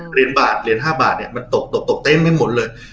เหรียญบาทเหรียญห้าบาทเนี้ยมันตกตกตกเต้นไม่หมดเลย